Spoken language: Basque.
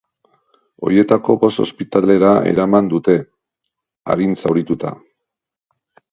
Horietako bost ospitalera eraman dute, arin zaurituta.